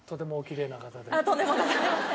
とんでもございません。